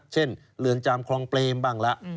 เรือนจำคลองเปรมบ้างละ